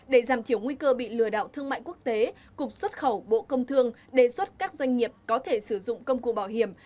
để giảm thiểu nguy cơ bị lừa đảo thương mại quốc tế cục xuất khẩu bộ công thương đề xuất các doanh nghiệp có thể sử dụng công cụ bảo hiểm